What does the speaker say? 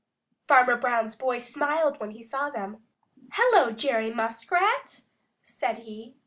Farmer Brown's boy smiled when he saw them. "Hello, Jerry Muskrat!" said he.